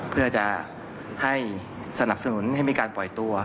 เพื่อจะให้สนับสนุนให้มีการปล่อยตัว